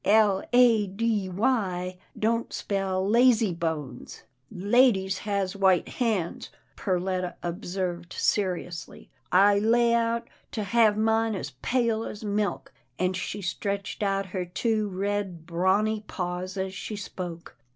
L a d y, don't spell lazybones." 304 'TILDA JANE'S ORPHANS ■" Ladies has white hands," Perletta observed seriously, " I lay out to hev mine as pale as milk," and she stretched out her two red, brawny paws as she spoke.